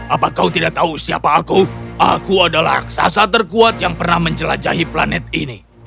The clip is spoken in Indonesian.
apa kau tidak tahu siapa aku aku adalah raksasa terkuat yang pernah menjelajahi planet ini